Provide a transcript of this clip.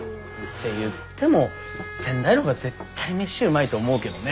言っても仙台の方が絶対飯うまいと思うけどね。